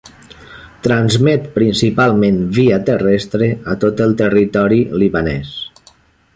Transmet principalment via terrestre a tot el territori libanès.